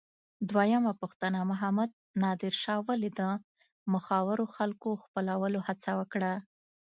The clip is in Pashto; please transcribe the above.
دویمه پوښتنه: محمد نادر شاه ولې د مخورو خلکو خپلولو هڅه وکړه؟